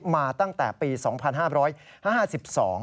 มาตั้งแต่ปี๒๕๕๒